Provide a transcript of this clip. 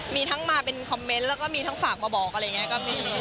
มีทั้งมาเป็นคอมเมนต์แล้วก็มีทั้งฝากมาบอกอะไรอย่างนี้ก็มี